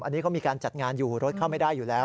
อันนี้เขามีการจัดงานอยู่รถเข้าไม่ได้อยู่แล้ว